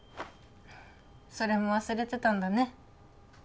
それも忘れてたんだね